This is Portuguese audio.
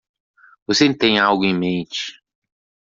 Você tem algo em mente.